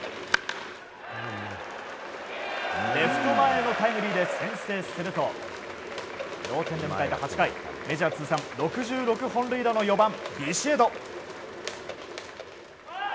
レフト前へのタイムリーで先制すると同点で迎えた８回メジャー通算６６本塁打の４番、ビシエド。